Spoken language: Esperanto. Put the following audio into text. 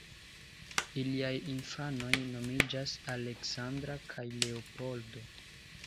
Iliaj infanoj nomiĝas Aleksandra kaj Leopoldo.